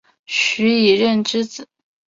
徐以任之子。